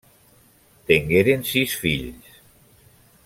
Tengueren sis fills.